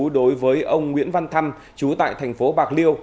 đối với ông nguyễn văn thăm chú tại thành phố bạc liêu